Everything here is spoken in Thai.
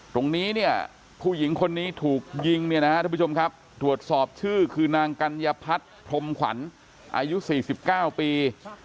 ตรงนี้ผู้หญิงคนนี้ถูกยิงดูดสอบชื่อคือนางกัญญาพัทรพอ๔๙ปี